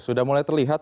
sudah mulai terlihat